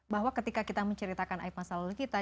bahwa ketika kita menceritakan aib masa lalu kita